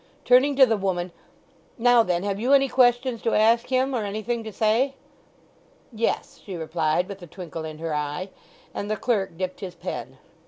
Turning to the woman, "Now then, have you any questions to ask him, or anything to say?" "Yes," she replied with a twinkle in her eye; and the clerk dipped his pen.